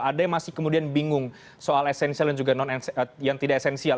ada yang masih kemudian bingung soal esensial dan juga yang tidak esensial